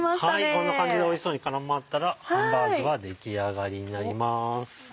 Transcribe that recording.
こんな感じでおいしそうに絡まったらハンバーグは出来上がりになります。